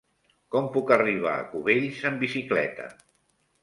Com puc arribar a Cubells amb bicicleta?